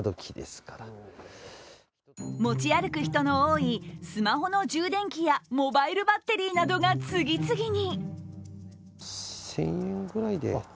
持ち歩く人の多いスマホの充電器やモバイルバッテリーなどが次々に。